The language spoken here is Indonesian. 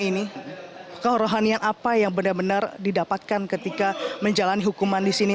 ini kerohanian apa yang benar benar didapatkan ketika menjalani hukuman di sini